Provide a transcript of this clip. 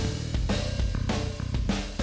eh mbak be